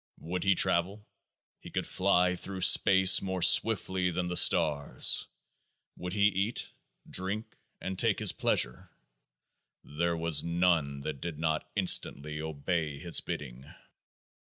Would he travel? He could fly through space more swiftly than the stars. Would he eat, drink, and take his pleasure? There was none that did not instantly obey his bidding.